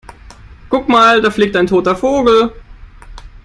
Guck mal, da fliegt ein toter Vogel!